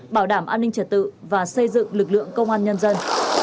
bảo đảm an ninh trật tự và xây dựng lực lượng công an nhân dân